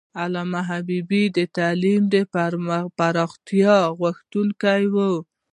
علامه حبیبي د تعلیم د پراختیا غوښتونکی و.